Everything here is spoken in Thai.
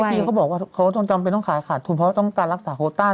ที่เขาบอกว่าเขาต้องจำเป็นต้องขายขาดทุนเพราะต้องการรักษาโคต้า